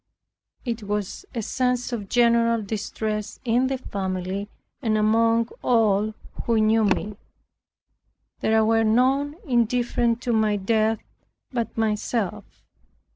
It was a scene of general distress in the family and among all who knew me. There were none indifferent to my death but myself.